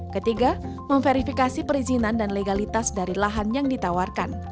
ketiga memverifikasi perizinan dan legalitas dari lahan yang ditawarkan